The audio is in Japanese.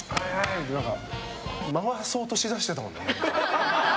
みたいな回そうとしだしてたもんな。